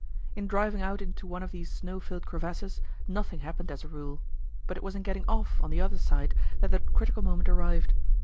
In driving out into one of these snow filled crevasses nothing happened as a rule; but it was in getting off on the other side that the critical moment arrived.